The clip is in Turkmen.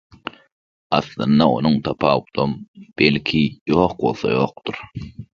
Aslynda onuň tapawudam, belki, ýok bolsa ýokdur.